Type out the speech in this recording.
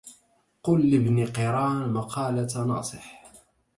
قل لابن قران مقالة ناصح